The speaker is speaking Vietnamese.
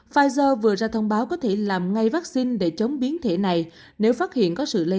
pfizer vừa ra thông báo có thể làm ngay vắc xin để chống biến thể này nếu phát hiện có sự lây